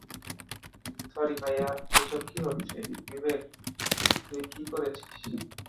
Sorry, ভাইয়া এইসব কি হচ্ছে, বিবেক তুই কি করেছিস?